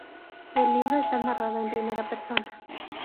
El libro está narrado en primera persona.